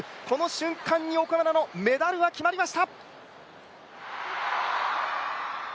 この瞬間に岡村のメダルは決まりました。